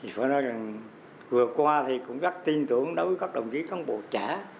phải nói rằng vừa qua thì cũng rất tin tưởng đối với các đồng chí cán bộ trẻ